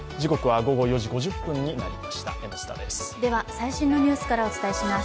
最新のニュースからお伝えします。